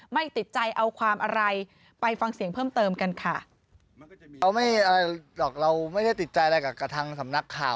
ไม่ติดใจเอาความอะไรไปฟังเสียงเพิ่มเติมกันค่ะ